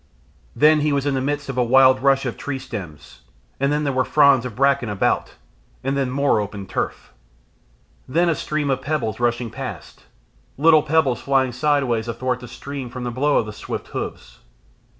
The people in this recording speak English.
Then he was in the midst of a wild rush of tree stems, and then there were fronds of bracken about, and then more open turf. Then a stream of pebbles rushing past, little pebbles flying sideways athwart the stream from the blow of the swift hoofs.